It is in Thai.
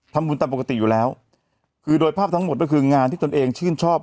ทำบุญตามปกติอยู่แล้วคือโดยภาพทั้งหมดก็คืองานที่ตนเองชื่นชอบ